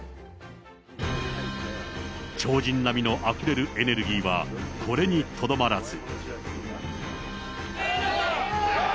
超人並みのあふれるエネルギーは、これにとどまらず。